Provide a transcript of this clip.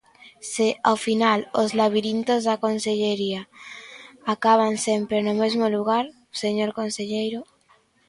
Se, ao final, os labirintos da Consellería acaban sempre no mesmo lugar, señor conselleiro.